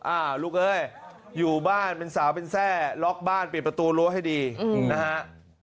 ลูกเอ้ยอยู่บ้านเป็นสาวเป็นแทร่ล็อกบ้านปิดประตูรั้วให้ดีนะฮะ